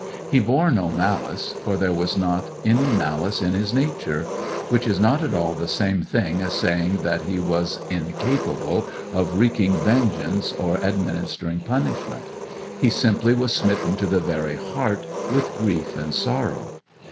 He bore no malice, for there was not any malice in his nature; which is not at all the same thing as saying that he was incapable of wreaking vengeance or administering punishment. He simply was smitten to the very heart with grief and sorrow.